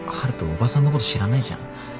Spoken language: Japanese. おばさんのこと知らないじゃん？